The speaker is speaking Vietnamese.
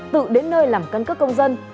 tự đến nơi làm căn cứ công dân